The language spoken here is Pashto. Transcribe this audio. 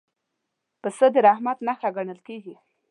پسه د رحمت نښه ګڼل کېږي.